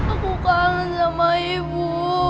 aku kangen sama ibu